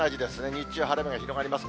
日中、晴れ間が広がります。